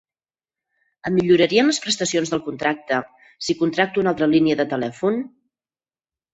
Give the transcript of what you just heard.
Em millorarien les prestacions del contracte si contracto una altra línia de telèfon?